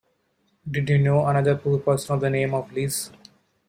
Did you know another poor person of the name of Liz?